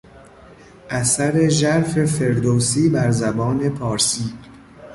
اثر ژرف فردوسی بر زبان پارسی